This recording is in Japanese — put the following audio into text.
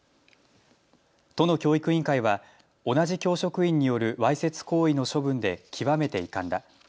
都の教育委員会は同じ教職員による、わいせつ行為の処分で極めて遺憾だ。